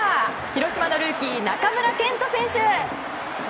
広島のルーキー、中村健人選手！